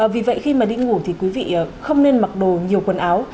vì vậy khi mà đi ngủ thì quý vị không nên mặc đồ nhiều quần áo